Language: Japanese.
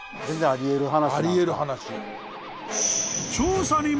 あり得る話。